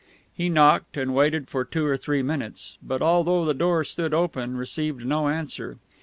He knocked, and waited for two or three minutes, but, although the door stood open, received no answer.